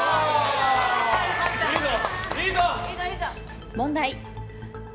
いいぞ！